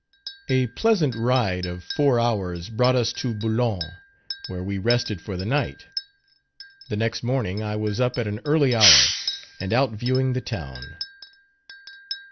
A pleasant ride of four hours brought us to Boulogne, where we rested for the night. The next morning I was up at an early hour, and out viewing the town.